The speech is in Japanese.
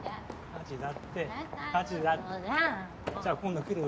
じゃあ今度来る？